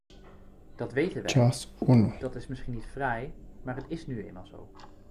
Dat weten wij, dat is misschien niet fraai, maar het is nu eenmaal zo.